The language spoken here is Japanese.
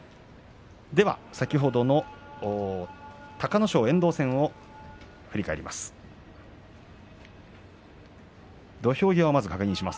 先ほどの隆の勝、遠藤戦を振り返ります。